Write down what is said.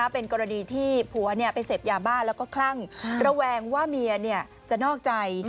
เป็นกรณีที่ผัวไปเสพยาบ้าแล้วก็คลั่งระแวงว่าเมียจะนอกใจ